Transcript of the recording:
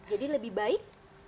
jadi lebih baik